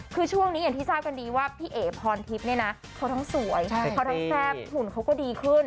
คือช่วงนี้อย่างที่ทราบกันดีว่าพี่เอ๋พรทิพย์เนี่ยนะเขาทั้งสวยเขาทั้งแซ่บหุ่นเขาก็ดีขึ้น